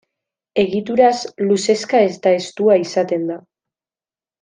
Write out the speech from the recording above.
Egituraz luzexka eta estua izaten da.